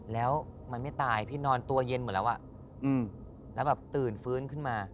แล้วมันไม่ตายพี่นอนตัวเย็นหมดแล้วอ่ะแล้วแบบตื่นฟื้นขึ้นมา